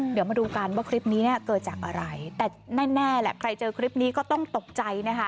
เดี๋ยวมาดูกันว่าคลิปนี้เนี่ยเกิดจากอะไรแต่แน่แหละใครเจอคลิปนี้ก็ต้องตกใจนะคะ